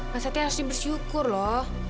mas satria harus dibersyukur loh